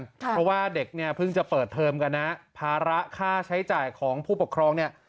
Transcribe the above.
เพราะว่าเด็กเนี่ยเพิ่งจะเปิดเทอมกันนะภาระค่าใช้จ่ายของผู้ปกครองเนี่ย